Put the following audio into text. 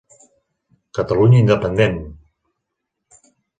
Catalunya independent!